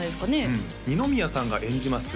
うん二宮さんが演じます